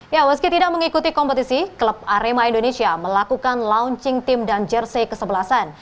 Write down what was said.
ya meski tidak mengikuti kompetisi klub arema indonesia melakukan launching tim dan jersey kesebelasan